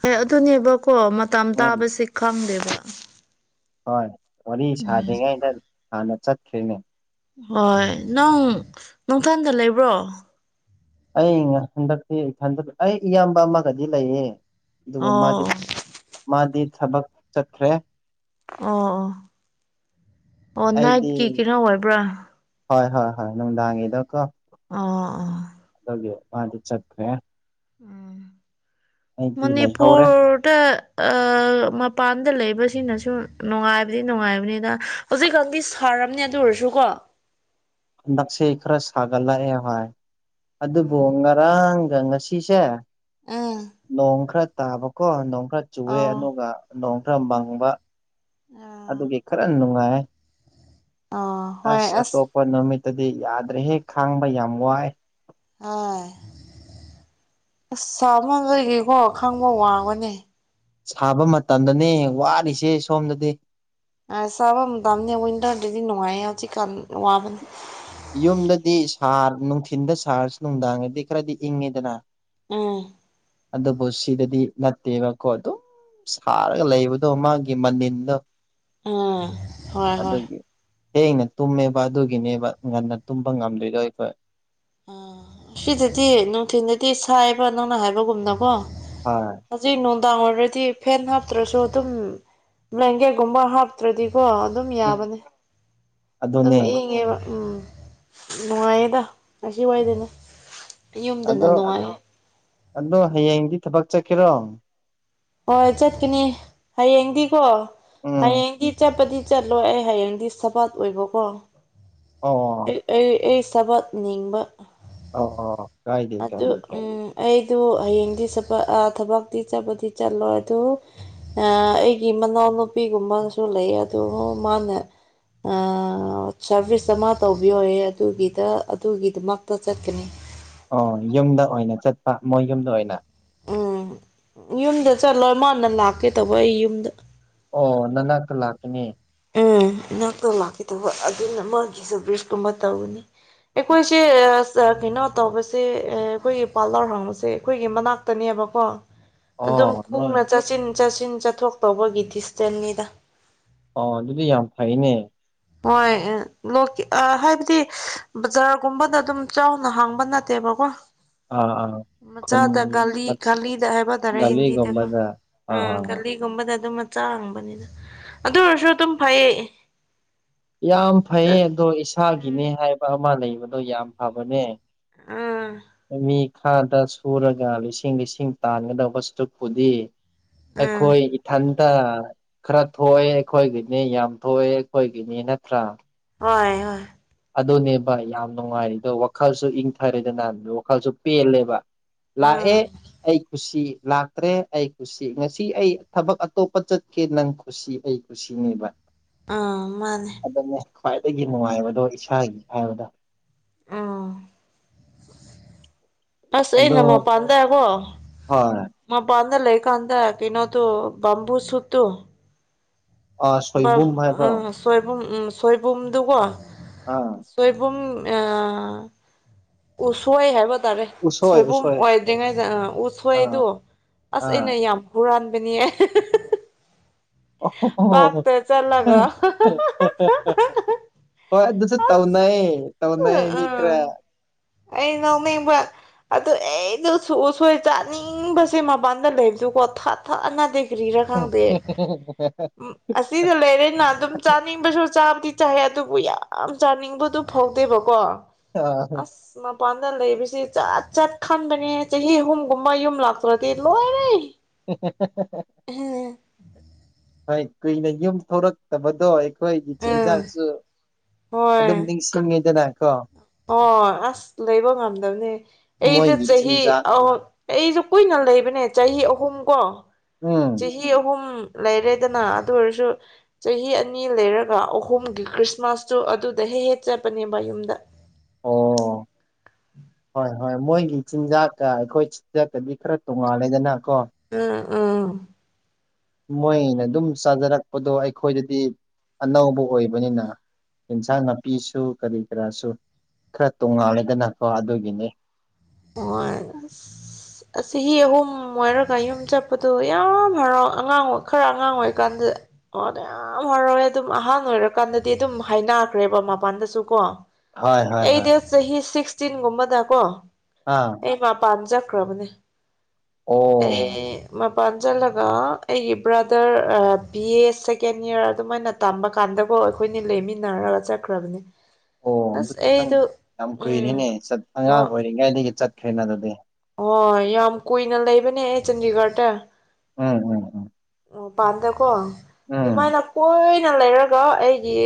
ꯍꯣꯏ ꯑꯗꯨꯅꯦꯕꯀꯣ ꯃꯇꯝ ꯎꯝ ꯇꯥꯁꯦ ꯈꯪꯗꯦꯕ ꯍꯣꯏ ꯋꯥꯔꯤ ꯁꯥꯗ꯭ꯔꯤꯉꯩꯗ ꯍꯥꯟꯅ ꯆꯠꯈ꯭ꯔꯤꯅꯦ ꯍꯣꯏ ꯅꯪ ꯅꯨꯡꯊꯥꯟꯗ ꯂꯩꯕ꯭ꯔꯣ ꯑꯩ ꯍꯟꯗꯛꯇꯤꯟ ꯑꯩ ꯏꯌꯥꯝꯕ ꯑꯃꯒꯗꯤ ꯂꯩꯌꯦ ꯑꯗꯨꯕꯨ ꯃꯥꯗꯤ ꯑꯣ ꯑꯣ ꯃꯥꯗꯤ ꯊꯕꯛ ꯆꯠꯈ꯭ꯔꯦ ꯑꯣ ꯑꯣ ꯑꯣ ꯑꯩꯗꯤ ꯅꯥꯏꯠꯀꯤ ꯀꯩꯅꯣ ꯑꯣꯏꯕ꯭ꯔꯥ ꯍꯣꯏ ꯍꯣꯏ ꯍꯣꯏ ꯅꯨꯡꯗꯥꯡꯒꯤꯗꯣ ꯀꯣ ꯑ ꯑꯥ [unintelligible] ꯃꯥꯗꯤ ꯆꯠꯈ꯭ꯔꯦ ꯎꯝ ꯑꯩꯗꯤ ꯂꯩꯍꯧꯔꯦ ꯃꯅꯤꯄꯨꫪꯗ ꯑ ꯃꯄꯥꯟꯗ ꯂꯩꯁꯤꯡꯅꯁꯨ ꯅꯨꯡꯉꯥꯏꯕꯗꯤ ꯅꯨꯡꯉꯥꯏꯕꯅꯤꯅ ꯍꯧꯖꯤꯛꯀꯥꯟꯗꯤ ꯁꯥ ꯁꯥꯔꯝꯅꯤ ꯑꯗꯨ ꯑꯣꯏꯔꯁꯨꯀꯣ ꯍꯟꯗꯛꯁꯦ ꯈꯔ ꯁꯥꯒꯠꯂꯛꯑꯦ ꯍꯣꯏ ꯑꯗꯨꯕꯨ ꯎꯝ ꯉꯔꯥꯡ ꯉꯁꯤꯁꯦ ꯎꯝ ꯅꯣꯡ ꯈꯔ ꯇꯥꯕꯀꯣ ꯅꯣꯡ ꯈꯔ ꯆꯨꯑꯦ ꯑꯧ ꯑꯗꯨꯒ ꯅꯣꯡ ꯈꯔ ꯃꯪꯕ ꯑꯥ ꯑꯗꯨꯒꯤ ꯈꯔ ꯅꯨꯡꯉꯥꯏꯑꯦ ꯑꯥ ꯍꯣꯏ ꯑꯁ ꯑꯇꯣꯞꯄ ꯅꯨꯃꯤꯠꯇꯗꯤ ꯌꯥꯗ꯭ꯔꯦꯍꯦ ꯈꯥꯡꯕ ꯌꯥꯝ ꯋꯥꯏ ꯍꫭꯏ ꯑꯁ ꯁꯥꯃꯟꯕꯒꯤꯀꯣ ꯈꯥꯡꯕ ꯋꯥꯕꯅꯦ ꯁꯥꯕ ꯃꯇꯝꯗꯅꯦ ꯋꯥꯔꯤꯁꯦ ꯁꯣꯝꯗꯗꯤ ꯑꯁꯕ ꯃꯇꯝꯅꯦ ꯋꯤꯟꯇꫪꯗꯗꯤ ꯅꯨꯡꯉꯥꯏ ꯍꯧꯖꯤꯛꯀꯥꯟ ꯋꯥꯕꯅꯦ ꯌꯨꯝꯗꯗꯤ ꯁꯥꯔ ꯅꯨꯡꯊꯤꯟꯗ ꯁꯥꯔꯁꯨ ꯅꯨꯡꯗꯥꯡꯗꯗꯤ ꯈꯔꯗꯤ ꯏꯪꯉꯤꯗꯅ ꯎꯝ ꯑꯗꯨꯕꯨ ꯁꯤꯗꯗꯤ ꯅꯠꯇꯦꯕꯀꯣ ꯑꯗꯨꯝ ꯁꯥꯔꯒ ꯂꯩꯕꯗꯣ ꯃꯥꯒꯤ ꯃꯅꯤꯟꯗꫭ ꯎꯝ ꯍꯣꯏ ꯍꯣꯏ ꯊꯦꯡꯅ ꯇꯨꯝꯃꯦꯕ ꯑꯗꯨꯒꯤꯅꯦꯕ ꯉꯟꯅ ꯇꯨꯝꯕ ꯉꯝꯗ꯭ꯔꯤꯗꯣ ꯑꯩꯈꯣꯏ ꯑꯥ ꯁꯤꯗꯗꯤ ꯅꯨꯡꯊꯤꯟꯜꯗꯗꯤ ꯁꯥꯏꯕ ꯅꯪꯅ ꯍꯥꯏꯕꯒꯨꯝꯅꯀꯣ ꯍꯣꯏ ꯍꯧꯖꯤꯛ ꯅꯣꯡ ꯗꯥꯡ ꯑꯣꯏꯔꯗꯤ ꯐꯦꯟ ꯍꯥꯞꯇ꯭ꯔꯁꯨ ꯑꯗꯨꯝ ꯕ꯭ꯂꯦꯡꯒꯦꯠꯀꯨꯝꯕ ꯍꯥꯞꯇ꯭ꯔꯗꯤ ꯀꯣ ꯑꯗꯨꯝ ꯎꯝ ꯌꯥꯕꯅꯦ ꯑꯗꯨꯝ ꯑꯗꯨꯅꯦ ꯏꯪꯉꯦꯕ ꯎꯝ ꯅꯨꯡꯉꯥꯏꯌꯦꯗ ꯉꯁꯤꯋꯥꯏꯗꯅ ꯌꯨꯝꯗꯅ ꯑꯗꯣ ꯅꯨꯡꯉꯥꯏ ꯑꯗꯣ ꯍꯌꯦꯡꯗꯤ ꯊꯕꯛ ꯆꯠꯀꯦꯔꯣ ꯍꯣꯏ ꯆꯠꯀꯅꯤ ꯍꯌꯦꯡꯗꯤꯀꯣ ꯎꯝ ꯍꯌꯦꯡꯗꯤ ꯆꯠꯄꯗꯤ ꯆꯠꯂꯣ ꯑꯩ ꯍꯌꯦꯡꯗꯤ [unintelligible] ꯑꯣꯏꯕꯀꯣ ꯑꯣ ꯑꯩ ꯊꯕꯛ ꯅꯤꯡꯕ ꯑꯣ ꯑꯣ ꯀꯥꯏꯗꯦ ꯑꯗꯨ ꯀꯥꯏꯗꯦ ꯀꯥꯏꯗꯦ ꯎꯝ ꯑꯩ ꯗꯨ ꯍꯌꯦꯡꯗꯤ ꯁꯕꯛ ꯊꯕꯛꯇꯤ ꯆꯠꯄꯗꯤ ꯆꯠꯂꯣꯏ ꯑꯗꯨ ꯑꯩꯒꯤ ꯃꯅꯥꯎ ꯅꯨꯄꯤꯒꯨꯝꯕꯅꯁꯨ ꯂꯩ ꯑꯗꯨ ꯃꯥꯅ ꯑ ꯁꯥꯔꯚꯤꯁ ꯑꯃ ꯇꯧꯕꯤꯌꯣꯌꯦ ꯑꯗꯨꯒꯤꯗ ꯑꯗꯨꯒꯤꯗꯃꯛꯇ ꯆꯠꯀꯅꯤ ꯑꯣ ꯌꯨꯝꯗ ꯑꯣꯏꯅ ꯆꯠꯄ ꯃꯣꯏ ꯌꯨꯝꯗ ꯑꯣꯏꯅ ꯎꯝ ꯌꯨꯝꯗ ꯆꯠꯂꯣꯏ ꯃꯥꯅ ꯂꯥꯛꯀꯦ ꯇꯧꯕ ꯑꯩ ꯌꯨꯝꯗ ꯑꯣ ꯅꯅꯥꯛꯇ ꯂꯥꯛꯀꯅꯤ ꯎꯝ ꯏꯅꯛꯇ ꯂꯥꯛꯀꯦ ꯇꯧꯕ ꯑꯗꯨꯅ ꯃꯥꯒꯤꯁꯨ ꯕ꯭ꯔꯤꯁꯀꯨꯝꯕ ꯇꯧꯅꯤ ꯑꯩꯣꯏꯁꯦ ꯑ ꯀꯩꯅꯣ ꯇꯧꯕꯁꯦ ꯑꯩꯈꯣꯏꯒꯤ ꯄꯥꫪꯂꫪ ꯍꯥꯡꯕꯁꯦ ꯑꯩꯈꯣꯏꯒꯤ ꯃꯅꯥꯛꯇꯅꯦꯕꯀꯣ ꯑꯗꯨꯝ ꯑꯣ ꯅꯣꯏ ꯀꯨꯡꯅ ꯆꯠꯁꯤꯟ ꯆꯠꯁꯤꯟ ꯆꯠꯊꯣꯛ ꯇꯧꯕꯒꯤ ꯗꯤꯁꯇꯦꯟꯁꯅꯤꯗ ꯑꯣ ꯑꯗꯨꯗꯤ ꯌꯥꯝ ꯐꯩꯅꯦ ꯍꯣꯏ ꯂꫭꯛ ꯍꯥꯏꯕꯗꯤ ꯕꯖꯥꯔꯒꯨꯝꯕꯗ ꯑꯗꯨꯝ ꯆꯥꯎꯅ ꯍꯥꯡꯕ ꯅꯠꯇꯦꯕꯀꯣ ꯑꯥ ꯑꯥ ꯈꯨꯟ ꯃꯆꯥꯗ ꯒꯂꯤ ꯒꯥꯂꯤꯗ ꯍꯥꯏꯕ ꯇꯥꯔꯦ ꯍꯤꯟꯗꯤꯗꯀꯣ ꯒꯥꯔꯤꯒꯨꯝꯕꯗ ꯑꯥ ꯎꯝ ꯑꯥ ꯒꯥꯂꯤꯒꯨꯝꯕꯗ ꯑꯗꯨꯝ ꯆꯥꯡꯕꯅꯤꯗ ꯑꯗꯨ ꯑꯣꯏꯔꯁꯨ ꯑꯗꯨꯝ ꯐꯩꯌꯦ ꯌꯥꯝ ꯑꯗꯨ ꯐꯩꯌꯦ ꯑꯗꯣ ꯎꯝ ꯏꯁꯥꯒꯤꯅꯦ ꯍꯥꯏꯕ ꯑꯃ ꯂꯩꯕꯗꯣ ꯌꯥꯝ ꯐꯕꯅꯦ ꯑꯝ ꯃꯤ ꯈꯥꯗ ꯁꯨꯔꯒ ꯂꯤꯁꯤꯡ ꯂꯤꯁꯤꯡ ꯇꯥꯟꯒꯗꯕ ꯁꯔꯨꯛꯄꯨꯗꯤ ꯎꯝ ꯑꯩꯈꯣꯏ ꯏꯊꯟꯇ ꯈꯔ ꯊꯣꯛꯑꯦ ꯑꯩꯈꯣꯏꯒꯤꯅꯦ ꯌꯥꯝ ꯊꯣꯛꯑꯦ ꯑꯩꯈꯣꯏ ꯒꯤꯅꯤ ꯅꯠꯇ꯭ꯔ ꯍꯣꯏ ꯍꯣꯏ ꯑꯗꯨꯅꯦꯕ ꯌꯥꯝ ꯅꯨꯡꯉꯥꯏꯔꯦ ꯑꯗꯣ ꯋꯥꯈꯜꯁꯨ ꯏꯪꯊꯔꯦꯗ ꯅꯍ ꯋꯥꯈꯜꯁꯨ ꯄꯦꯜꯂꯦꯕ ꯂꯥꯛꯑꯦ ꯎꯝ ꯑꯩ ꯈꯨꯁꯤ ꯂꯥꯛꯇ꯭ꯔꯦ ꯑꯩ ꯀꯁꯤ ꯉꯁꯤ ꯑꯩ ꯊꯕꯛ ꯑꯇꯣꯞꯄ ꯆꯠꯀꯦ ꯅꯪ ꯈꯨꯁꯤ ꯑꯩ ꯀꯁꯤꯅꯦꯕ ꯑꯥ ꯃꯥꯅꯦ ꯈ꯭ꯋꯥꯏꯗꯒꯤ ꯅꯨꯡꯉꯥꯏꯕꯗꯣ ꯏꯁꯥꯒꯤ ꯍꯥꯏꯕꯗ ꯑꯥ ꯑꯁ ꯑꯗꯣ ꯑꯩꯩꯅꯃ ꯄꯥꯟꯗꯀꯣ ꯍꯣꯏ ꯃ ꯄꯥꯟ ꯂꯩ ꯀꯗ꯭ꯔ ꯏꯅꯣꯣ ꯝꯕꯕꯨ ꯁꯠꯇꯨ ꯕꯥ ꯑ ꯁꯣꯏꯕꯨꯝ ꯍꯥꯏꯕ꯭ꯔꯣ ꯁꯣꯏ ꯁꯣꯏꯨꯝ ꯎ ꯁꯣꯏꯕꯨꯝꯗꯨꯀꯣ ꯑꯥ ꯁꯣꯏꯕꯨꯝ ꯑꯣꯁꯣꯏ ꯍꯥꯏꯕ ꯍꯥꯏꯔꯦ ꯎꯁꯣꯏ ꯁꯣꯏꯕꯨꯝ ꯎꯁꯣꯏ ꯑꯣꯏꯗ꯭ꯔꯤꯉꯩꯗ ꯎ ꯁꯣꯏꯗꯣ ꯑꯥ ꯑꯁ ꯑꯩꯅ ꯑꯥ ꯌꯥꯝ ꯍꯨꯔꯥꯟꯕ ꯕꯅꯤ ꯑꯣ ꯍꯣꯏ ꯑꯗꯨꯁꯨ ꯇꯧꯅꯥꯏ ꯇꯧꯅꯥꯏ ꯃꯤꯀꯔ ꯎꯝ ꯑꯩ ꯅꯧ ꯅ ꯏꯕ ꯑꯗꯨ ꯑꯩꯗꯣ ꯁꯣꯏ ꯆꯥꯅꯤꯡꯕꯁꯦ ꯃꯄꯥꯟꯗ ꯂꯩꯕꯗꯨꯀꯣ ꯊꯥꯛ ꯊꯥꯛꯅꯗꯤ ꯎꯝ ꯎ ꯎꯝ ꯑꯁꯤꯗ ꯂꯩꯔꯦꯅ ꯑꯗꯨꯝ ꯆꯥꯅꯤꯡꯕꯁꯨ ꯆꯥꯝꯗꯤ ꯆꯥꯏ ꯑꯗꯨꯕꯨ ꯌꯥꯝ ꯆꯥꯅꯤꯡꯕꯗꯨ ꯐꯥꯎꯗꯦꯕꯀꯣ ꯑ ꯑꯁ ꯃꯄꯥꯟꯗ ꯂꯩꯕꯁꯤ ꯆꯠ ꯆꯠ ꯈꯟꯕꯅꯦ ꯆꯍꯤ ꯑꯍꯨꯝꯒꯨꯝꯕ ꯌꯨꯝ ꯂꯥꯛꯇ꯭ꯔꯗꯤ ꯂꯣꯏꯔꯩ [unintelligible] ꯍ ꯀꯣꯏꯅ ꯌꯨꯝ ꯊꯣꯛꯐꯝ ꯇꯕꯗꯣ ꯑꯩꯈꯣꯏꯒꯤ ꯎꯝ ꯆꯤꯟꯖꯥꯛꯁꯨ ꯑꯗꯨꯝ ꯅꯤꯡꯁꯤꯡꯉꯤꯗꯅ ꯀꯣ ꯑꯣ ꯑꯁ ꯂꯩꯕ ꯉꯝꯗꯅꯤ ꯑꯩꯁꯨ ꯃꯣꯏꯒꯤ ꯆꯍꯤ ꯆꯤꯟꯖꯥꯛ ꯑꯍ ꯑꯩꯁꯨ ꯀꯨꯏꯅ ꯂꯩꯕꯅꯦ ꯆꯍꯤ ꯑꯍꯨꯝ ꯀꯣ ꯎꯝ ꯆꯍꯤ ꯑꯍꯨꯝ ꯂꯩꯔꯦꯗꯅ ꯑꯗꯨ ꯑꯣꯏꯔꯁꯨ ꯆꯍꯤ ꯑꯅꯤ ꯂꯩꯔꯒ ꯑꯍꯨꯝꯒꯤ ꯈ꯭ꯔꯤꯁꯃꯥꯁꯇꯨ ꯑꯗꯨꯗ ꯍꯦꯛ ꯍꯦ ꯆꯠꯄꯅꯦꯕ ꯌꯨꯝꯗ ꯑꯣ ꯍꯣꯏ ꯍꯣꯏ ꯃꯣꯏꯒꯤ ꯆꯤꯟꯖꯥꯛꯀ ꯑꯩꯈꯣꯏ ꯆꯤꯟꯖꯥꯛꯇꯗꯤ ꯈꯔ ꯇꯣꯡꯉꯥꯜꯂꯦꯗꯅꯪ ꯑꯝ ꯑꯝ ꯃꯣꯏꯅ ꯑꯗꯨꯝ ꯆꯥꯖꯔꯛꯄꯗꯣ ꯑꯩꯈꯣꯏꯗꯗꯤ ꯑꯅꯧꯕ ꯑꯣꯏꯕꯅꯤꯅ ꯏꯟꯁꯥꯡ ꯅꯥꯄꯤꯁꯨ ꯀꯔꯤ ꯀꯔꯥꯁꯨ ꯈꯔ ꯇꯣꯉꯥꯜꯂꯗꯅꯀꯣ ꯑꯗꯨꯒꯤꯅꯦ ꯆꯍꯤ ꯑꯍꯨꯝ ꯑꯣꯏꯔꯒ ꯑꯨꯝ ꯆꯠꯄꯗꯣ ꯌꯥꯝ ꯍꯔ ꯑꯉꯥꯡ ꯈꯔ ꯑꯉꯥꯡ ꯑꯣꯏꯔꯤ ꯀꯥꯟꯗ ꯑꯣ ꯌꯥꯝ ꯍꯔꯥꯎꯋꯦ ꯑꯗꯨꯝ ꯑꯍꯥꯟ ꯑꯣꯏꯔ ꯀꯥꯟꯗꯗꯤ ꯑꯗꯨꯝ ꯍꯥꯏ ꯅꯥꯈ꯭ꯔꯦꯕ ꯃꯄꯥꯟꯗꯁꯨ ꯀꯣ ꯍꯣꯏ ꯍꯣꯏ ꯍꯣꯏ ꯑꯩꯗꯤ ꯆꯍꯤ ꯁꯤꯛꯁꯇꯤꯟꯒꯨꯝꯕꯗ ꯀꯣ ꯑꯥ ꯑꯩ ꯃꯄꯥꯟ ꯆ ꯑꯣ ꯑꯦ [unintelligible] ꯄꯥꯟꯁꯤꯜꯂꯒ ꯑꯩꯒꯤ brother B A second year ꯑꯗꯨꯃꯥꯏꯅ ꯇꯝꯕ ꯀꯥꯟꯗꯒ ꯑꯣ ꯑꯩꯈꯣꯏꯅꯤ ꯂꯩꯃꯤꯟꯅꯔꯒ ꯆꯠꯈ꯭ꯔꯕꯅꯦ ꯑꯣ ꯑꯁ ꯑꯗꯨꯗꯤ ꯅꯪ ꯑꯩꯗꯣ ꯌꯥꯝ ꯎꯝ ꯀꯨꯏꯔꯅꯦ ꯑꯉꯥꯡ ꯍꯣꯏ ꯑꯣꯏꯔꯤꯉꯩꯗꯒꯤ ꯆꯠꯈ꯭ꯔꯦꯅ ꯑꯗꯨꯗꯤ ꯍꯣꯏ ꯌꯥꯝ ꯀꯨꯏꯅ ꯂꯩꯕꯅꯦ ꯑꯩ ꯆꯥꯟꯗꯤꯒꯔꯗ ꯎꯝ ꯎꯝ ꯎꯝ ꯑꯣ ꯄꯥꯝꯗꯦꯀꯣ ꯎꯝ ꯑꯗꯨꯃꯥꯏꯅ ꯀꯣꯏ ꯑꯩꯅ ꯂꯩꯔꯒ ꯑꯩꯒꯤ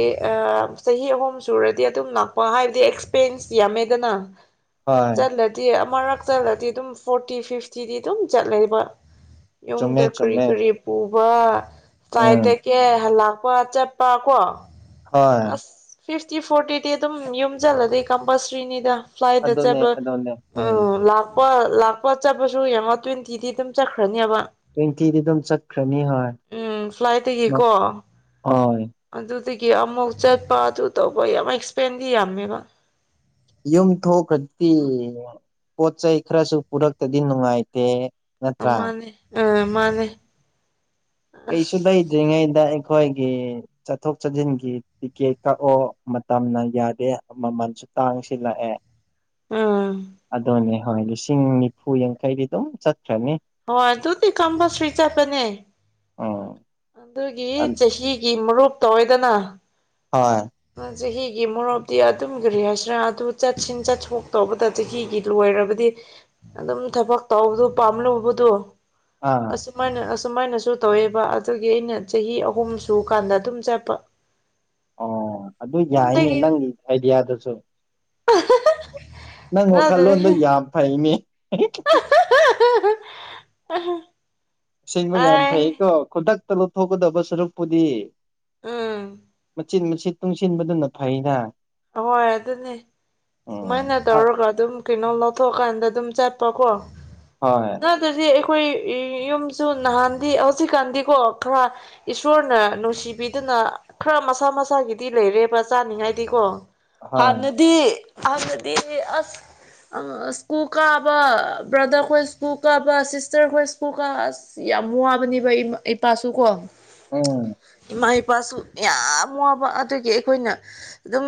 ꯆꯍꯤ ꯑꯍꯨꯝ ꯁꯨꯔꯗꯤ ꯑꯗꯨꯝ ꯂꯥꯛꯄ ꯍꯥꯏꯕꯗꯤ ꯑꯦꯛꯁꯄꯦꯟꯁ ꯌꯥꯝ ꯃꯦꯗꯅ ꯍꯣꯏ ꯆꯠꯂꯗꯤ ꯑꯃꯨꯔꯛ ꯆꯠꯂꯗꯤ ꯑꯗꯨꯝ ꯐꯣꯔꯇꯤ ꯐꯤꯐꯇꯤꯗꯤ ꯑꯗꯨꯝ ꯆꯠꯂꯦꯕ ꯆꯨꯝꯃꯦ ꯌꯨꯝꯗ ꯀꯔꯤ ꯆꯨꯝꯃꯦ ꯀꯔꯤ ꯄꯨꯕ ꯁꯥꯏꯠꯇ ꯎꯝ ꯀꯦ ꯍꯂꯄ ꯀ꯭ꯋꯥ ꯆꯠꯄ ꯀꯣ ꯍꯣꯏ ꯑꯁ ꯐꯤꯐꯇꯤ ꯐꯣꯔꯇꯤꯗꯤ ꯑꯗꯨꯝ ꯌꯣꯝꯁꯤꯜꯂꯗꯤ ꯀꯝꯄꯜꯁ꯭ꯔꯤꯅꯤꯗ ꯐ꯭ꯂꯥꯏꯠꯆꯦ ꯑꯗꯨꯅꯦ ꯎꯝ ꯑꯗꯨꯅꯦ ꯎꯝ ꯂꯥꯛ ꯂꯄ ꯂꯥꯛꯄ ꯆꯠꯄꯁꯨ ꯌꯦꯡꯉꯣ ꯇꯨꯤꯟꯇꯤꯗꯤ ꯑꯗꯨꯝ ꯆꯠꯈ꯭ꯔꯅꯤꯕ ꯇ꯭ꯋꯦꯟꯇꯤꯗꯤ ꯑꯗꯨꯝ ꯆꯠ ꯎꯝ ꯐ꯭ꯂꯥꯏꯠꯇꯒꯤꯀꯣ ꯍꯣꯏ ꯑꯗꯨ ꯑꯗꯨꯒꯤ ꯑꯃꯨꯛ ꯆꯠꯄ ꯑꯗꯨ ꯇꯧꯕ ꯌꯥꯝ ꯑꯦꯛꯁꯄꯦꯟꯗꯤ ꯌꯥꯝꯃꯦꯕ ꯌꯨꯝ ꯊꯣꯛꯈ꯭ꯔꯗꯤ ꯄꯣꯠ ꯆꯩꯩ ꯈꯔꯁꯨ ꯄꯨꯔꯛꯇꯗꯤ ꯅꯨꯡꯉꯥꯏꯇꯦ ꯑ ꯅꯠꯇ꯭ꯔꯥ ꯃꯥꯅꯦ ꯑ ꯃꯥꯅꯦ ꯀꯩꯁꯨꯨ ꯑꯁ ꯂꯏꯗꯦ ꯉꯦꯗ ꯑꯩꯈꯣꯏꯒꯤ ꯆꯠꯊꯣꯛ ꯆꯠꯁꯤꯟꯒꯤ ꯇꯤꯀꯦꯠ ꯀꯛꯑꯣ ꯃꯇꯝꯅ ꯌꯥꯗꯦ ꯃꯃꯜꯁꯨ ꯇꯥꯡꯉꯁꯤꯂ ꯑꯦ ꯑꯝ ꯍꯣꯏ ꯂꯤꯁꯤꯡ ꯅꯤꯐꯨ ꯌꯥꯡꯈꯩꯗꯤ ꯑꯗꯨꯝ ꯆꯠꯈ꯭ꯔꯅꯤ ꯍꯣꯏ ꯇꯨꯗꯤ ꯀꯝꯕꯁ꯭ꯆꯥꯄꯅꯦ ꯑꯝ ꯑꯗꯨꯒꯤ ꯆꯍꯤꯒꯤ ꯃꯔꯨꯞꯇꯧꯋꯏꯗꯅ ꯍꯣꯏ ꯆꯍꯤꯒꯤ ꯃꯣꯔꯣꯛꯞꯇꯤ ꯑꯗꯨꯝꯒꯤꯔꯤ ꯍꯥꯏꯁꯔ ꯑꯗꯨ ꯆꯁꯤ ꯆꯠꯊꯣꯛꯇꯧꯕꯗ ꯆꯍꯤꯒꯤ ꯂꯣꯏ ꯗꯤ ꯑꯗꯨ ꯊ ꯇ ꯄꯝꯗꯣ ꯑꯥ ꯑꯥꯏꯅ ꯁꯨꯃꯥꯏꯅꯁꯨ ꯇꯧꯋꯦꯕ ꯑꯗꯨꯒꯤ ꯑꯩꯅ ꯆꯍꯤ ꯑꯍꯨꯝ ꯁꯨ ꯀꯥꯟꯗ ꯑꯗꯨꯝ ꯆꯠꯄ ꯑꯣ ꯑꯗꯨ ꯌꯥꯏꯅꯤ ꯌꯨꯝꯗꯒꯤ ꯅꯪꯒꯤ ꯑꯥꯏꯗꯤꯌꯥꯗꯨꯁꯨ [unintelligible] ꯅꯪ ꯅꯠꯇꯦꯗ ꯋꯥꯈꯜꯂꯣꯟꯗꯣ ꯌꯥꯝ ꯐꯩꯅꯦ [unintelligible] ꯁꯤꯦꯡꯕ ꯌꯥꯝ ꯑꯥꯏ ꯐꯩꯀꯣ ꯈꯨꯗꯛꯇ ꯂꯧꯊꯣꯛꯀꯗꯕ ꯁꯔꯨꯛꯄꯨꯗꯤ ꯑꯝ ꯃꯆꯤꯟ ꯃꯆꯤꯠ ꯇꯨꯡꯁꯤꯟꯕꯗꯨꯅ ꯐꯩꯅ ꯍꯣꯏ ꯑꯗꯨꯅꯦ ꯁꯨꯃꯥꯏꯅ ꯎꯝ ꯇꯧꯔꯒ ꯑꯗꯨꯝ ꯀꯩꯅꯣ ꯂꯧꯊꯣꯛꯀꯥꯟꯗ ꯑꯗꯨꯝ ꯆꯠꯄ ꯀꯣ ꯍꯣꯏ ꯅ ꯑꯗꯨꯗꯤ ꯑꯩꯈꯣꯏ ꯌꯨꯝꯁꯨ ꯅꯍꯥꯟꯗꯤ ꯍꯧꯖꯤꯛꯀꯥꯟꯗꯤꯀꯣ ꯈꯔ ꯏꯁꯣꯔꯅ ꯅꯨꯡꯁꯤꯕꯤꯗꯅ ꯈꯔ ꯃꯁꯥ ꯃꯁꯥꯒꯤꯗꯤ ꯂꯩꯔꯦꯕ ꯆꯥꯅꯤꯡꯉꯥꯏꯗꯤꯀꯣ ꯍꯣꯏ ꯍꯥꯟꯅꯗꯤ ꯑꯍ ꯃ ꯑꯁ ꯑ ꯁ꯭ꯀꯨ ꯀꯥꯕ ꯕ꯭ꯔꯗꯔ ꯈꯣꯏ ꯁ꯭ꯀꯨꯜ ꯀꯥꯕ ꯁꯤꯁꯇꯔ ꯈꯣꯏ ꯁ꯭ꯀꯨ ꯀꯥ ꯌꯥꯝ ꯋꯥꯕꯅꯦꯕ ꯏꯄꯥꯁꯨ ꯀꯣ ꯎꯝ ꯏꯃꯥ ꯏꯄꯥꯁꯨ ꯌꯥꯝ ꯋꯥꯕ ꯑꯗꯨꯒꯤ ꯑꯩꯈꯣꯏꯅ ꯑꯗꯨꯝ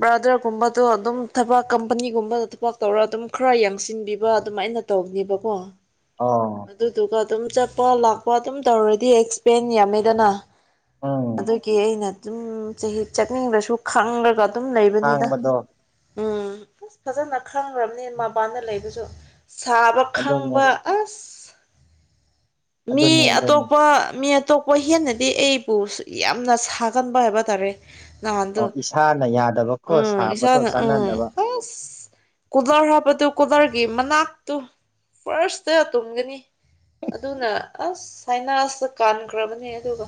ꯕ꯭ꯔꯥꯗꯔꯒꯨꯝꯕꯗꯣ ꯑꯗꯨꯝ ꯊꯕꯥꯛ ꯀꯝꯄꯅꯤꯒꯨꯝꯕꯗ ꯊꯕꯛ ꯇꯧꯔꯒ ꯑꯗꯨꯝ ꯈꯔ ꯌꯦꯡꯁꯤꯟꯕꯤꯕ ꯑꯗꯨꯃꯥꯏꯅ ꯑꯩꯅ ꯇꯧꯅꯦꯕꯀꯣ ꯑꯣ ꯑꯗꯨꯗꯨꯒ ꯑꯗꯨꯝ ꯆꯠꯄ ꯂꯥꯛꯄ ꯑꯗꯨꯝ ꯇꯧꯔꯗꯤ ꯑꯦꯛꯁꯄꯦꯟ ꯌꯥꯝꯃꯦꯗꯅ ꯎꯝ ꯑꯗꯨꯒꯤ ꯑꯩꯅ ꯑꯗꯨꯝ ꯆꯍꯤ ꯆꯠꯅꯤꯡꯗꯁꯨ ꯈꯪꯂꯒ ꯑꯗꯨꯝ ꯂꯩꯕꯅꯤꯗ ꯈꯥꯡꯕꯗꯣ ꯎꯝ ꯑꯁ ꯐꯖꯅ ꯈꯪꯈ꯭ꯔꯕꯅꯤ ꯃꯕꯥꯗ ꯂꯩꯕꯁꯨ ꯁꯥꯕ ꯑꯗꯨꯅꯦ ꯈꯪꯕ ꯑꯁ ꯃꯤ ꯑꯗꯨꯅꯦ ꯑꯗꯨꯅꯦ ꯑꯇꯣꯞꯄ ꯃꯤ ꯑꯇꯣꯞꯄ ꯍꯦꯟꯅꯗꯤ ꯑꯩꯕꯨ ꯌꯥꯝꯅ ꯁꯥꯒꯟꯕ ꯍꯥꯏꯕ ꯇꯥꯔꯦ ꯑꯣ ꯅꯍꯥꯟꯗꯣ ꯏꯁꯥꯅ ꯌꯥ ꯎꯝ ꯏꯁꯁꯥꯅ ꯎ ꯀꯂꯔ ꯍꯥ ꯄꯠꯇ ꯀꯂꯔ ꯒꯤ ꯃꯅꯥꯛꯇꯨ ꯐꯥꯔꯁꯇ ꯇꯨꯝꯒꯅꯤ ꯑꯗꯨꯅ ꯑꯁ ꯁꯥꯏꯅꯥꯁꯇ ꯀꯥꯟꯈ꯭ꯔꯕꯅꯦ ꯑꯗꯨꯒ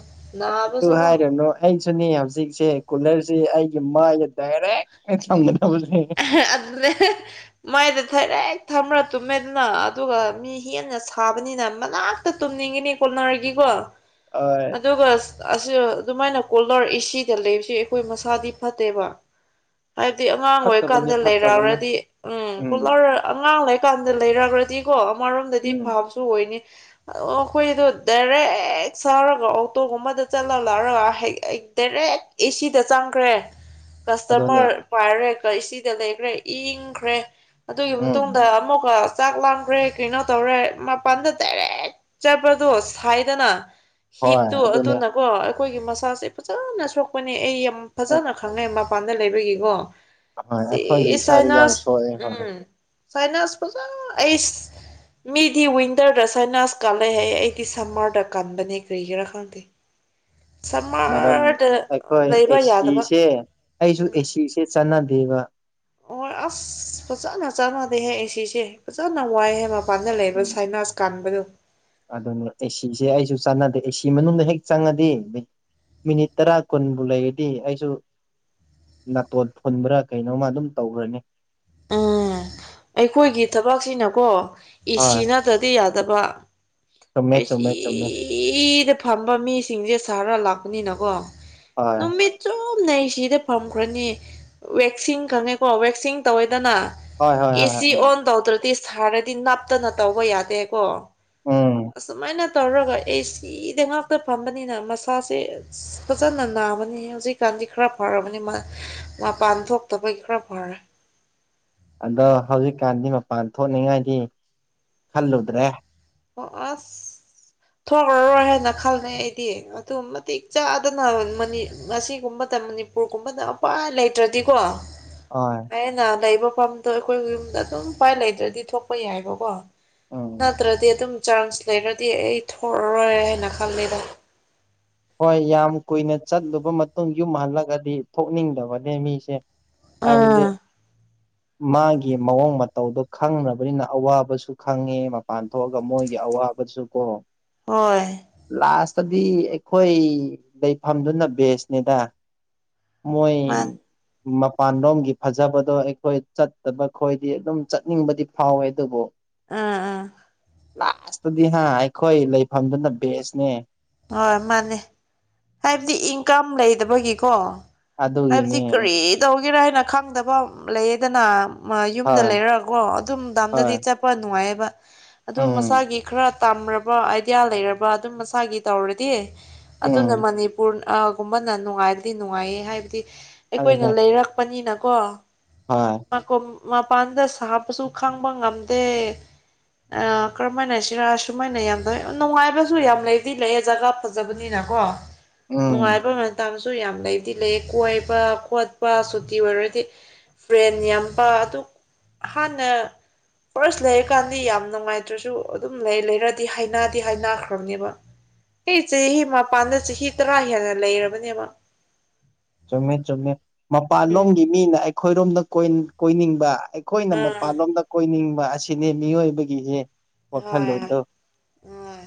ꯑꯗꯨ ꯅꯥꯕꯁꯨꯀꯣ ꯍꯥꯏꯔꯨꯅꯨ ꯑꯩꯁꯨꯅꯦ ꯍꯧꯖꯤꯛꯁꯦ ꯀꯨꯂꯔꯁꯦ ꯑꯩ ꯃꯥꯏꯗ ꯗꯥꯏꯔꯦꯛ ꯌꯦꯛꯁꯟꯕꯅꯤ ꯑꯗꯨ ꯃꯥꯏꯗ ꯗꯥꯏꯔꯦꯛ ꯊꯝꯃ꯭ꯔꯥ ꯇꯨꯝꯃꯦꯗꯅ ꯑꯗꯨꯒ ꯃꯤ ꯍꯦꯟꯅ ꯁꯥꯕꯅꯤꯅ ꯃꯅꯥꯛꯇ ꯇꯨꯝꯅꯤ [unintelligible] ꯀꯨꯅꫭꯏꯒꯤꯀꯣ ꯍꯣꯏ ꯑꯗꯨꯒ ꯑꯍ ꯑꯗꯨꯃꯥꯏꯅ ꯀꯣꯂꫪ ꯑꯦꯁꯤꯗ ꯂꯩꯕꯁꯦ ꯑꯩꯈꯣꯏ ꯃꯁꯥꯗꯤ ꯐꯠꯇꯦꯕ ꯍꯥꯏꯕꯗꯤ ꯑꯉꯥꯡ ꯐꯠꯇꯕꯅꯦ ꯑꯣꯏꯔꯤꯀꯥꯟꯗ ꯐꯠꯇꯕꯅꯦ ꯂꯩꯔꯕꯔꯗꯤ ꯎꯝ ꯀꫭꯂꫪ ꯑꯉꯥꯡ ꯂꯩꯀꯥꯟꯗ ꯂꯩꯔꯒꯔꯗꯤꯀꯣ ꯑꯃꯔꯣꯝꯗꯗꯤ ꯎꯝ ꯐꯥꯝꯁꯨ ꯑꯣꯏꯅꯤ ꯑꫭ ꯑꯩꯈꯣꯏꯗꯣ ꯗꯥꯏꯔꯦꯛ ꯁꯥꯔꯒ ꯑꯣꯇꯣꯒꯨꯝꯕꯗ ꯆꯠꯂꯒ ꯂꯥꯛꯔꯒ ꯗꯥꯏꯔꯦꯛ ꯍꯦꯛ ꯑꯦꯁꯤꯗ ꯆꯪꯈ꯭ꯔꯦ ꯑꯗꯨꯅꯦ ꯀꯁꯇꯃꫪ ꯄꯥꯏꯔꯦ ꯑꯦꯁꯤꯗ ꯂꯩꯈ꯭ꯔꯦ ꯏꯪꯈ꯭ꯔꯦ ꯑꯗꯨꯒꯤ ꯎꯝ ꯃꯇꯨꯡꯗ ꯑꯃꯨꯛꯀ ꯆꯥꯛ ꯂꯥꯡꯈ꯭ꯔꯦ ꯀꯩꯅꯣ ꯇꯧꯔꯦ ꯃꯄꯥꯟꯗ ꯗꯥꯏꯔꯦꯛ ꯆꯠꯕꯗꯣ ꯁꯥꯏꯗꯅ ꯍꯣꯏ ꯍꯤꯠꯇꯣ ꯑꯗꯨꯅꯦ ꯑꯗꯨꯅꯀꯣ ꯑꯩꯈꯣꯏꯒꯤ ꯃꯁꯥꯁꯦ ꯐꯖꯅ ꯁꯣꯛꯄꯅꯤ ꯑꯩ ꯌꯥꯝ ꯐꯖꯅ ꯈꯪꯉꯦ ꯄꯥꯟꯗ ꯂꯩꯕꯒꯤꯀꯣ ꯍꯣꯏ ꯑꯩꯈꯣꯏꯒꯤ ꯏꯁꯥꯗ ꯌꯥꯝ ꯁꯤꯁꯥꯏꯅꯁ ꯁꯣꯛꯑꯦ ꯍꯣꯏ ꯎꯝ ꯁꯥꯏꯅꯁ ꯐꯖ ꯑꯩꯁ ꯃꯤꯗꯤ ꯋꯤꯟꯇꫪꯗ ꯁꯥꯏꯅꯥꯁ ꯀꯜꯂꯦ ꯍꯥꯏ ꯑꯩꯗꯤ ꯁꯝꯃꫪꯗ ꯀꯟꯕꯅꯦ ꯀꯔꯤꯒꯤꯔꯥ ꯈꯪꯗꯦ ꯃꯔꯝ ꯁꯝꯃꯔꯗ ꯑꯩꯈꯣꯏ ꯂꯩꯕ ꯌꯥꯗꯕ ꯑꯦꯁꯤꯁꯦ ꯑꯩꯁꯨ ꯑꯦꯁꯤꯁꯦ ꯆꯠꯅꯗ ꯗꯤꯕ ꯑꯣ ꯑꯁ ꯐꯖꯅ ꯆꯥꯟꯅꯗꯦꯍꯦ ꯑꯦ ꯁꯤꯁꯦ ꯐꯖꯅ ꯋꯥꯏꯍꯦꯕ ꯃꯄꯥꯟꯗ ꯂꯩꯕ ꯎꯝ ꯁꯥꯏꯅꯥꯁ ꯀꯥꯟꯕꯗꯨ ꯑꯗꯨꯅꯦ ꯑꯦꯁꯤꯁꯦ ꯑꯩꯁꯨ ꯆꯠꯅꯗꯦ ꯑꯦꯁꯤ ꯀꯤ ꯃꯅꯨꯡꯗ ꯍꯦꯛ ꯆꯪꯉꯗꯤ ꯃꯤꯅꯤꯠ ꯇꯔꯥ ꯀꯨꯟꯕꯨ ꯂꯩꯔꯗꯤ ꯑꯩꯁꯨ ꯅꯥꯇꯣꯟ ꯐꯨꯟꯕ꯭ꯔ ꯀꯩꯅꯣꯝꯃ ꯑꯗꯨꯝ ꯇꯧꯈ꯭ꯔꯅꯤ ꯎꯝ ꯑꯩꯈꯣꯏꯒꯤ ꯊꯕꯛꯁꯤꯅꯀꯣ ꯏꯁꯤ ꯍꯣꯏ ꯅꯠꯇ꯭ꯔꯗꯤ ꯌꯥ ꯗꯕ ꯆꯨꯝꯃꯦ ꯆꯨꯝꯃꯦ ꯆꯨꯝꯃꯦ ꯑꯦꯁꯤꯗ ꯐꯝꯕ ꯃꯤꯁꯤꯡꯁꯦ ꯁꯍꯔ ꯂꯥꯛ ꯄꯅꯤ ꯅꯀꯣ ꯍꯣꯏ ꯅꯨꯃꯤꯠꯆꯨ ꯅ ꯑꯦꯁꯤꯗ ꯐꯝꯈ꯭ꯔꯅꯤ ꯋꯦꯛꯁꯤꯡ ꯈꯪꯉꯦꯀꯣ ꯋꯦꯛꯁꯤꯡ ꯇꯧꯋꯦꯗꯅ ꯍꯣꯏ ꯍꯣꯏ ꯍꯣꯏ ꯑꯦꯁꯤ ꯎꯝ ꯑꯣꯟ ꯇꯧꯗ꯭ꯔꯗꯤ ꯁꯥꯔꯗꯤ ꯅꯞꯇꯅ ꯇꯧꯕ ꯌꯥꯗꯦꯀꯣ ꯎꯝ ꯑꯁꯨꯃꯥꯏꯅ ꯇꯧꯔꯒ ꯑꯦ ꯁꯤꯗ ꯉꯥꯛꯇ ꯐꯝꯕꯅꯤꯅ ꯃꯁꯥꯁꯦ ꯐꯖꯅ ꯅꯥꯕꯅꯤ ꯍꯧꯖꯤꯛꯀꯥꯟ ꯈꯔ ꯐꯔꯕꯅꯤ ꯃꯄꯥꯟ ꯊꯣꯛꯇꯕꯒꯤ ꯈꯔ ꯐꯔꯦ ꯑꯗꯣ ꯍꯧꯖꯤꯛꯀꯥꯟꯗꯤ ꯃꯄꯥꯟ ꯊꯣꯛꯅꯤꯡꯉꯥꯏꯗꯤ ꯈꯜꯂꯨꯗ꯭ꯔꯦ ꯑꯁ ꯊꯣꯛꯔꯔꯣꯏ ꯍꯥꯏꯅ ꯈꯜꯂꯦ ꯑꯩꯗꯤ ꯑꯗꯨ ꯃꯇꯤꯛ ꯆꯥꯗꯅ ꯃꯁꯤꯒꯨꯝꯕ ꯃꯅꯤꯄꯨꯔꯒꯨꯝꯕꯗ ꯎꯄꯥꯏ ꯂꯩꯇ꯭ꯔꯗꯤꯀꯣ ꯍꯣꯏ ꯑꯩꯅ ꯂꯩꯕ ꯃꯐꯝꯗꯣ ꯑꯩꯈꯣꯏ ꯌꯨꯝꯗ ꯑꯗꯨꯝ ꯎꯄꯥꯏ ꯂꯩꯇ꯭ꯔꯗꯤ ꯊꯣꯛꯄ ꯌꯥꯏꯕꯀꯣ ꯎꯝ ꯅꯠꯇ꯭ꯔꯗꯤ ꯑꯗꯨꯝ ꯆꯥꯟꯁ ꯂꯩꯔꯗꯤ ꯑꯩ ꯊꯣꯛꯔꯣꯏ ꯍꯥꯏꯅ ꯈꯪꯉꯦꯗ ꯍꯣꯏ ꯌꯥꯝ ꯀꯨꯏꯅ ꯆꯠꯂꯨꯕ ꯃꯇꯨꯡ ꯌꯨꯝ ꯍꯜꯂꯒꯗꯤ ꯊꯣꯛꯅꯤꯡꯗꯕꯅꯦ ꯃꯤꯁꯦ ꯑꯕꯗꯤ ꯑꯥ ꯃꯥꯒꯤ ꯃꯑꯣꯡ ꯃꯇꯧꯗꯣ ꯈꯪꯔꯕꯅꯤꯅ ꯑꯋꯥꯕꯁꯨ ꯈꯪꯉꯦ ꯃꯄꯥꯟ ꯊꯣꯛꯑꯒ ꯃꯣꯏꯒꯤ ꯑꯥꯎꯕ ꯁꯨ ꯀꯣ ꯍꯣꯏ ꯑꯗꯤ ꯑꯩꯈꯣꯏ ꯂꯩꯐꯝꯗꯨꯅ ꯕꯦꯁꯅꯦꯗ ꯃꯣꯏ ꯃꯥ ꯃꯄꯥꯟꯂꯣꯝꯒꯤ ꯐꯖꯕꯗꯣ ꯑꯩꯈꯣꯏ ꯆꯠꯇꯕ ꯈꯣꯏꯗꯤ ꯑꯗꯨꯝ ꯆꯠꯅꯤꯡꯕꯗꯤ ꯐꯥꯎꯋꯦ ꯑꯗꯨꯕꯨ ꯑꯥ ꯑꯥ ꯂꯥꯁꯇꯗꯤ ꯍꯥ ꯑꯩꯈꯣꯏ ꯂꯩꯐꯝꯗꯨꯅ ꯕꯦꯁꯅꯦ ꯍꯣꯏ ꯃꯥꯅꯦ ꯍꯥꯏꯕꯗꯤ ꯏꯟꯀꯝ ꯂꯩꯗꯕꯒꯤꯀꯣ ꯍꯥꯏꯕꯗꯤ ꯑꯗꯨꯒꯤꯅꯦ ꯎꯝ ꯀꯔꯤ ꯇꯧꯒꯦꯔꯥ ꯍꯥꯏꯅ ꯈꯪꯗꯕ ꯂꯩꯌꯦꯗꯅ ꯌꯨꯝꯗ ꯍꯣꯏ ꯂꯩꯔꯛꯑꯀꯣ ꯑꯗꯨꯝ ꯗꯥꯝꯗꯗꯤ ꯍꯣꯏ ꯆꯠꯄ ꯅꯨꯡꯉꯥꯏꯑꯕ ꯑꯗꯨ ꯎꯝ ꯃꯁꯥꯒꯤ ꯈꯔ ꯇꯝꯔꯕ ꯑꯥꯏꯗꯤꯌꯥ ꯂꯩꯔꯕ ꯑꯗꯨꯝ ꯃꯁꯥꯒꯤ ꯇꯧꯔꯗꯤ ꯎꯝ ꯑꯗꯨꯅ ꯃꯅꯤꯄꯨꯔ ꯥ ꯨꯝꯕꯅ ꯅꯨꯡꯉꯥꯏꯔꯗꯤ ꯅꯨꯡꯉꯥꯏꯌꯦ ꯍꯥꯏꯕꯗꯤ ꯑꯩꯈꯣꯏꯅ ꯑꯗꯨꯅꯦ ꯂꯩꯔꯛꯄꯅꯤꯅꯀꯣ ꯍꯣꯏ ꯃꯄꯥꯟꯗ ꯁꯥꯞꯄꯁꯨ ꯈꯪꯕ ꯉꯝꯗꯦ ꯑ ꯀꯔꯝꯍꯥꯏꯅ ꯁꯤꯔ ꯁꯨꯃꯥꯏꯅ ꯌꯥꯝ ꯇ ꯅꯨꯡꯉꯥꯏꯕꯁꯨ ꯌꯥꯝ ꯂꯩ ꯑꯗꯨꯗꯤ ꯂꯩꯌꯦ ꯖꯒꯥ ꯐꯖꯕꯅꯤꯅ ꯀꯣ ꯎꯝ ꯅꯨꯡꯉꯥꯏꯕ ꯁꯨ ꯌꯥꯝ ꯂꯩꯕꯗꯤ ꯂꯩ ꯀꯣꯏꯕ ꯈꯣꯠꯄ ꯁꯨꯇꯤ ꯑꯣꯏꯔꯗꯤ ꯐ꯭ꯔꯦꯟ ꯌꯥꯝꯕ ꯑꯗꯨ ꯍꯥꯟꯅ ꯐꯥꯔꯁ ꯂꯩꯔꯀꯥꯟꯗꯤ ꯌꯥꯝ ꯅꯨꯡꯉꯥꯏꯇ꯭ꯔꯁꯨ ꯑꯗꯨꯝ ꯂꯩ ꯂꯩꯔꯗꯤ ꯍꯥꯏꯅꯗꯤ ꯍꯥꯏꯅꯈ꯭ꯔꯕꯅꯦꯕ ꯑꯩ ꯆꯍꯤ ꯃꯄꯥꯟꯗ ꯆꯍꯤ ꯇꯔꯥ ꯍꯦꯟꯅ ꯂꯩꯔꯕꯅꯦꯕ ꯆꯨꯝꯃꯦ ꯆꯨꯝꯃꯦ ꯎꯝ ꯃꯄꯥꯟꯂꯣꯝꯒꯤ ꯃꯤꯅ ꯑꯩꯈꯣꯏꯔꯣꯝꯗ ꯀꯣꯏꯅꯤꯡꯕ ꯑꯩꯈꯣꯏꯅ ꯎꯝ ꯃꯄꯥꯟꯂꯣꯝꯗ ꯀꯣꯏꯅꯤꯡꯕ ꯑꯁꯤꯅꯦ ꯃꯤꯑꯣꯏꯕꯒꯤꯁꯦ ꯍꯣꯏ ꯋꯥꯈꯜꯂꯣꯗ ꯍꯣꯏ